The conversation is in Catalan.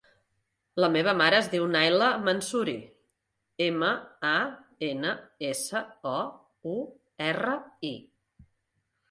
La meva mare es diu Nayla Mansouri: ema, a, ena, essa, o, u, erra, i.